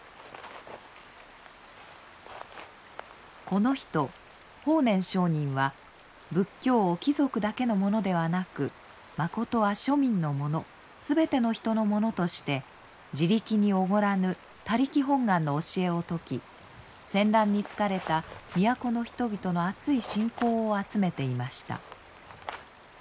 この人法然上人は仏教を貴族だけのものではなくまことは庶民のもの全ての人のものとして自力におごらぬ他力本願の教えを説き戦乱に疲れた都の人々のあつい信仰を集めていました。